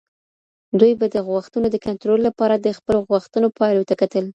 دوی به د غوښتنو د کنټرول لپاره د خپلو غوښتنو پایلو ته کتل.